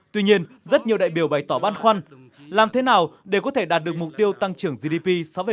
tuy nhiên rất nhiều đại biểu bày tỏ băn khoăn làm thế nào để có thể đạt được mục tiêu tăng trưởng gdp sáu bảy